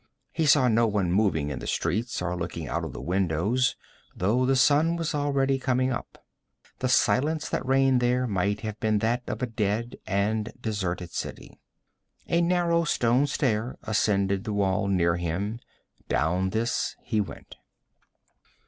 He saw no one moving in the streets or looking out of the windows, though the sun was already coming up. The silence that reigned there might have been that of a dead and deserted city. A narrow stone stair ascended the wall near him; down this he went.